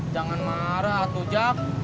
jangan marah tuh jak